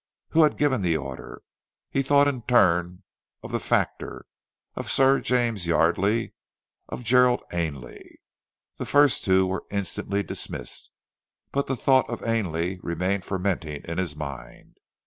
Who had given the order? He thought in turn of the factor, of Sir James Yardely, of Gerald Ainley. The first two were instantly dismissed, but the thought of Ainley remained fermenting in his mind.